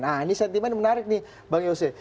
nah ini sentimen menarik nih bang yose